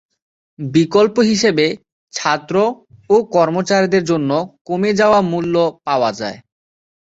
বিকল্প হিসেবে ছাত্র ও কর্মচারীদের জন্য কমে যাওয়া মূল্য পাওয়া যায়।